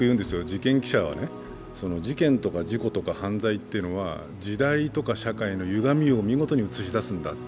事件記者は事件とか事故とか犯罪っていうのは、時代とか社会のゆがみを見事に映し出すんだと。